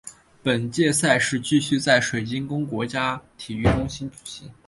本届赛事继续在水晶宫国家体育中心举行。